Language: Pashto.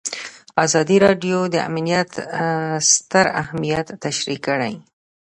ازادي راډیو د امنیت ستر اهميت تشریح کړی.